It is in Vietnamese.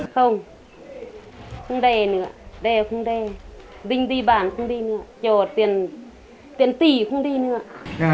không không đe nữa đe không đe dinh di bản không đi nữa tiền tỷ không đi nữa